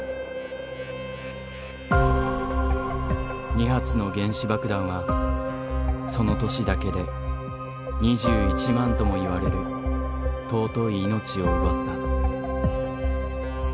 ２発の原子爆弾はその年だけで２１万ともいわれる尊い命を奪った。